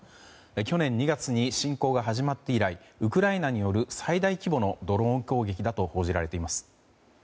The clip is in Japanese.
去年２月に侵攻が始まって以来ウクライナによる最大規模のドローン攻撃だと報じられています。